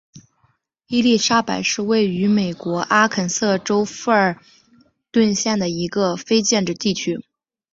伊莉莎白是位于美国阿肯色州富尔顿县的一个非建制地区。